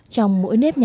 trong mỗi nếp nhà văn hóa